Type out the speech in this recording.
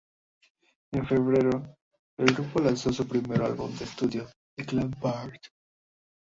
En febrero el grupo lanzó su primer álbum de estudio, "The Clan Part.